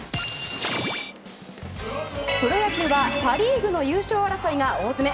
プロ野球はパ・リーグの優勝争いが大詰め。